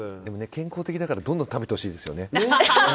健康的だからどんどん食べてほしいですよね。